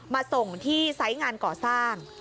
มาส่งที่ไซส์งานก่อสร้าง